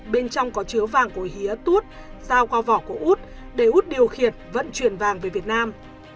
bên trong có chứa vàng của hía tuốt giao qua vỏ của út để út điều khiển vận chuyển vàng về việt nam